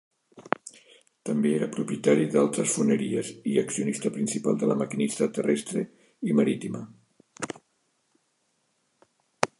També era propietari d'altres foneries i accionista principal de La Maquinista Terrestre i Marítima.